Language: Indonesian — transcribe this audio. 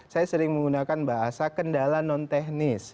saya sering menggunakan bahasa kendala non teknis